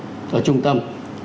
trong trung tâm